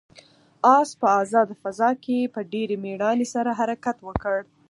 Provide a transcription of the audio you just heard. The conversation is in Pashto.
آس په آزاده فضا کې په ډېرې مېړانې سره حرکت وکړ.